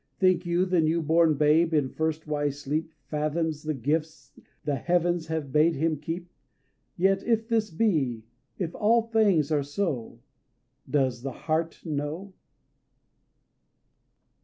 Think you the new born babe in first wise sleep Fathoms the gift the heavens have bade him keep Yet if this be if all these things are so Does the heart know?